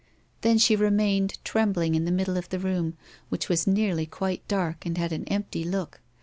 Then she remained trembling in the middle of the room, which was nearly quite dark and had an empty look.